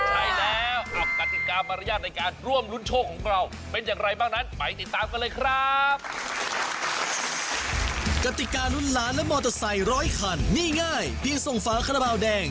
ใช่แล้วอัพกติกามารยาทในการร่วมรุนโชคของเราเป็นอย่างไรบ้างนั้น